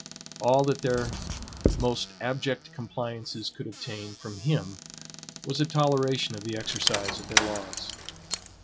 All that their most abject compliances could obtain from him was a toleration of the exercise of their laws.